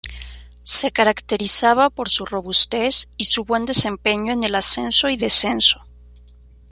Se caracterizaba por su robustez y su buen desempeño en el ascenso y descenso.